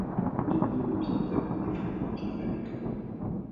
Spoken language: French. Les deux deviennent amis et fréquentent la même école.